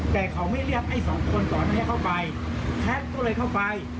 แต่เขาไม่เรียกไอ้สองคนก่อนให้เข้าไปแคทก็เลยเข้าไป